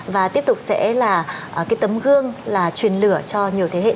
và tiếp tục sẽ là cái tấm gương là truyền lửa cho nhiều thế hệ đi sau